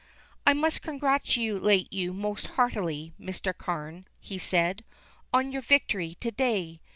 "I must congratulate you most heartily, Mr. Carne," he said, "on your victory to day.